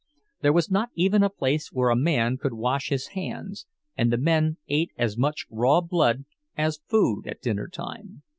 There was not even a place where a man could wash his hands, and the men ate as much raw blood as food at dinnertime.